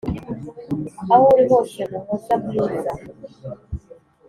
aho uri hose muhoza mwiza,